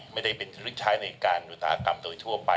ไม่ได้เป็นชุดใช้ในการอุตสาหกรรมโดยทั่วไป